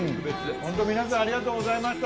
ホント皆さんありがとうございました。